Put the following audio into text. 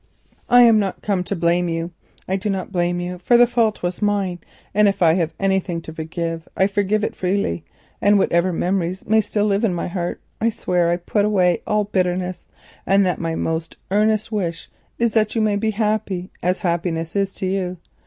I am not come to blame you. I do not blame you, for the fault was mine, and if I have anything to forgive I forgive it freely. Whatever memories may still live in my heart I swear I put away all bitterness, and that my most earnest wish is that you may be happy, as happiness is to you.